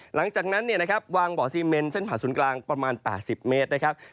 หลังจากนั้นวางบ่อซีเมนเส้นผ่าศูนย์กลางประมาณ๘๐เมตรนะครับ